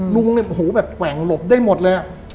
ลุงเนี่ยหูแบบแกว่งหลบได้หมดเลย